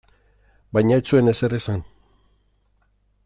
Baina ez zuen ezer esan.